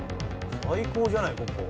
最高じゃないここ。